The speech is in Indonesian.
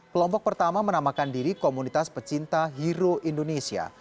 kelompok pertama menamakan diri komunitas pecinta hero indonesia